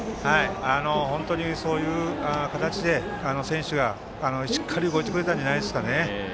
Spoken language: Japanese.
本当にそういう形で選手がしっかり動いてくれたんじゃないでしょうかね。